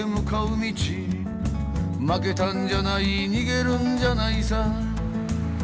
「負けたんじゃない逃げるんじゃないさ」